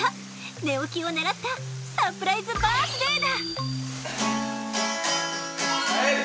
寝起きを狙ったサプライズバースデーだ。